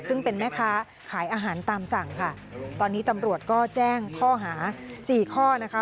ซึ่งเป็นแม่ค้าขายอาหารตามสั่งค่ะตอนนี้ตำรวจก็แจ้งข้อหาสี่ข้อนะคะ